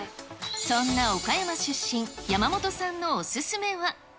そんな岡山出身、山本さんのお勧めは。